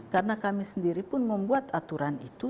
karena kami sendiri pun membuat aturan itu